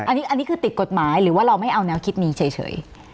อันนี้คือติดกฎหมายหรือว่าเราไม่เอาแนวคิดนี้เฉย